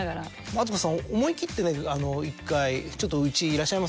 マツコさん思い切ってね１回「ちょっと」。